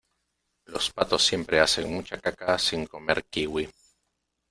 los patos siempre hacen mucha caca sin comer kiwi.